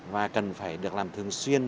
và cần phải được làm thường xuyên